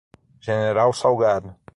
General Salgado